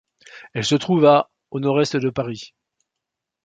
Elle se trouve à au nord-est de Paris.